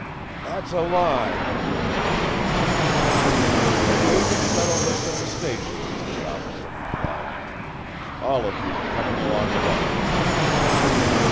"That's a lie " Murk began. "You can settle this at the station," the officer replied. "All of you come along with us!"